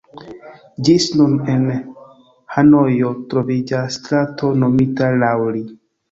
Ĝis nun en Hanojo troviĝas strato nomita laŭ li.